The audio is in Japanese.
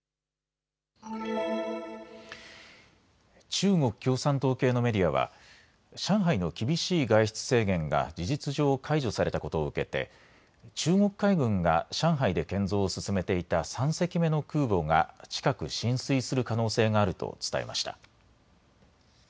中国共産党系のメディアは上海の厳しい外出制限が事実上解除されたことを受けて中国海軍が上海で建造を進めていた３隻目の空母が近く進水する可能性があると伝えました。